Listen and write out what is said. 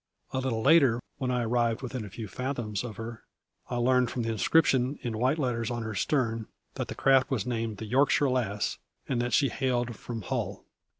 A little later, when I arrived within a few fathoms of her, I learned, from the inscription in white letters on her stern, that the craft was named the Yorkshire Lass, and that she hailed from Hull.